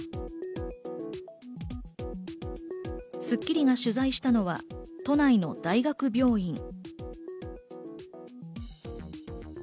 『スッキリ』が取材したのは都内の大学病院。